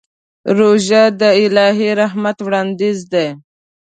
روژه د الهي رحمت وړاندیز دی.